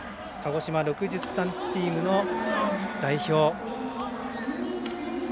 鹿児島、６３チームの代表。